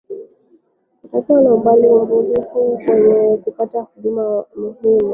kutakuwa na umbali na usumbufu mkubwa kwenye kupata huduma muhimu